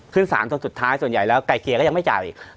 ขึ้นสารจนสุดท้ายส่วนใหญ่แล้วไก่เกลียก็ยังไม่จ่าย